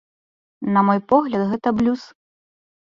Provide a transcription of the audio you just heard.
На мой погляд, гэта блюз.